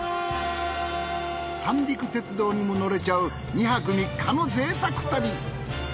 三陸鉄道にも乗れちゃう２泊３日の贅沢旅。